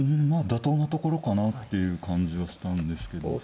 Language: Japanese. まあ妥当なところかなっていう感じはしたんですけど。